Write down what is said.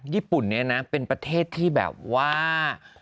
ญี่ปุ่นนี้นะเป็นประเทศที่แบบว่า